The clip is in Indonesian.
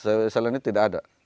dengan bakau selain itu tidak ada